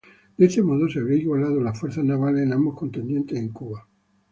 De este modo, se habrían igualado las fuerzas navales de ambos contendientes en Cuba.